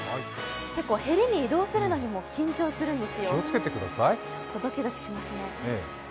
結構へりに移動するのにも緊張するんですよ、どきどきしますね。